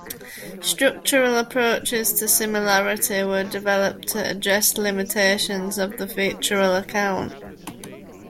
Structural approaches to similarity were developed to address limitations of the featural account.